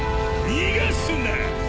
逃がすな！